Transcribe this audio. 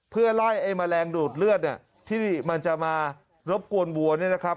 เพื่อไล่ไอ้แมลงดูดเลือดเนี่ยที่มันจะมารบกวนวัวเนี่ยนะครับ